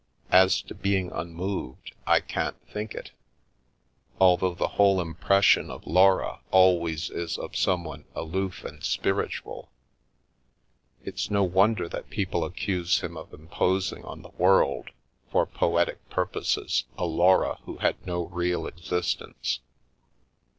As to being unmoved — I can't think it! Although the whole impression of Laura al ways is of someone aloof and spiritual. It's no wonder that people accuse him of imposing on the world, for poetic purposes, a Laura who had no real existence."